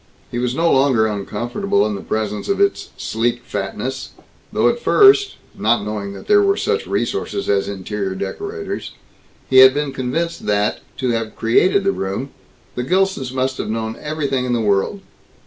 He was no longer uncomfortable in the presence of its sleek fatness, though at first (not knowing that there were such resources as interior decorators), he had been convinced that, to have created the room, the Gilsons must have known everything in the world.